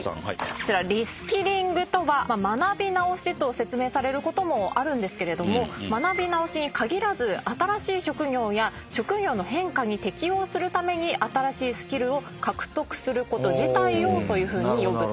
こちらリスキリングとは学び直しと説明されることもあるんですけれども学び直しに限らず新しい職業や職業の変化に適応するために新しいスキルを獲得すること自体をそういうふうに呼ぶと。